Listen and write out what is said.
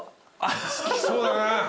好きそうだな。